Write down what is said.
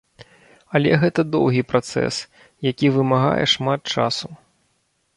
Але гэта доўгі працэс, які вымагае шмат часу.